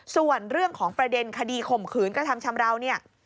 ส่วนเรื่องของประเด็นคดีข่มขืนกระทำชำราวเนี่ย